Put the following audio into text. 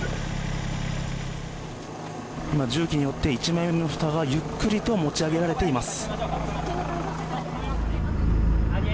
今、重機によって１枚目のふたがゆっくりと持ち上げられています。